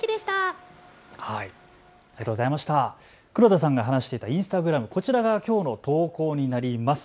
黒田さんが話していたインスタグラム、こちらがきょうの投稿になります。